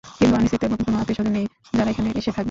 কিন্তু আনিসের তেমন কোনো আত্নীয়স্বজন নেই, যারা এখানে এসে থাকবে।